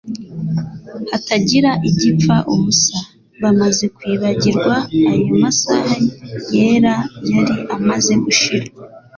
hatagira igipfa ubusa". Bamaze kwibagirwa ayo masaha yera yari amaze gushira,